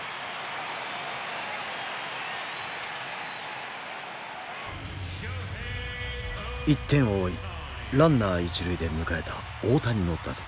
１点を追いランナー一塁で迎えた大谷の打席。